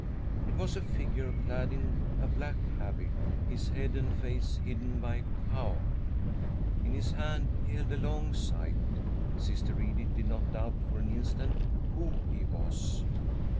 It was a figure clad in a black habit, his head and face hidden by a cowl. In his hand he held a long scythe. Sister Edith did not doubt for an instant who he was.